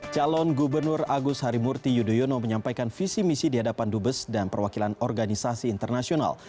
calon gubernur agus harimurti yudhoyono menyampaikan visi misi di hadapan dubes dan perwakilan organisasi internasional